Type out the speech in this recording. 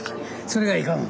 それがいかん。